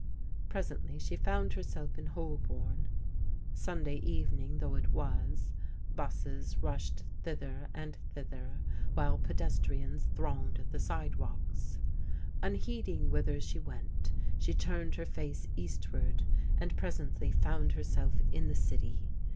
Presently she found herself in Holbom. Stin day evening though it was, 'buses rushed thither and thither, while pedestrians thronged the sidewalks. Un heeding whither she went she turned her face eastward and presently found herself in the city.